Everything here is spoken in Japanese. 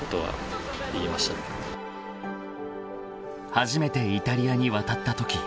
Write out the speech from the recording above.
［初めてイタリアに渡ったとき